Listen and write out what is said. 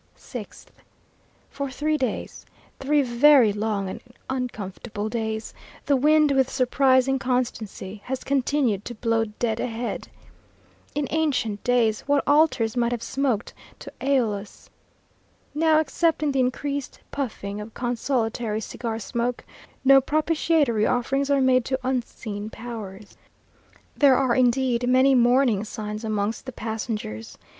6th. For three days, three very long and uncomfortable days, the wind, with surprising constancy, has continued to blow dead ahead. In ancient days, what altars might have smoked to Aeolus! Now, except in the increased puffing of consolatory cigar smoke, no propitiatory offerings are made to unseen powers. There are indeed many mourning signs amongst the passengers.